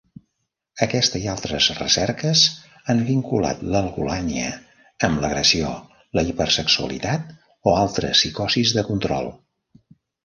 Aquesta i altres recerques han vinculat l'algolagnia amb l'agressió, la hipersexualitat o altres psicosis de control.